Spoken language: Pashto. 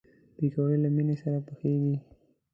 پکورې له مینې سره پخېږي